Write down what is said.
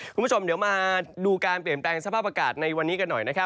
คุณผู้ชมเดี๋ยวมาดูการเปลี่ยนแปลงสภาพอากาศในวันนี้กันหน่อยนะครับ